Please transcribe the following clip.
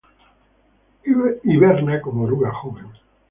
Hiberna como oruga joven.